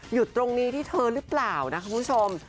อยู่ตรงนี้ที่เธอหรือเปล่านะคุณผู้ชม